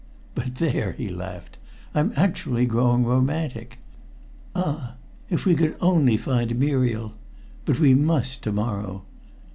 But there!" he laughed, "I'm actually growing romantic. Ah! if we could only find Muriel! But we must to morrow.